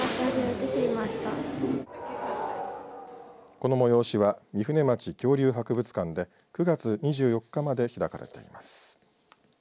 この催しは御船町恐竜博物館で９月２４日まで開かれています。